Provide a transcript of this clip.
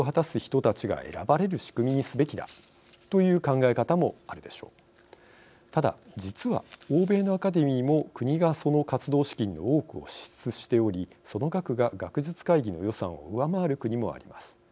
ただ、実は欧米のアカデミーも国が、その活動資金の多くを支出しておりその額が、学術会議の予算を上回る国もあります。